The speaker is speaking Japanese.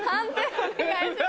お願いします。